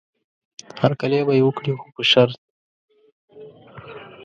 هرکلی به یې وکړي خو په شرط.